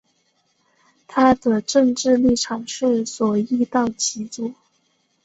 它的政治立场是左翼到极左。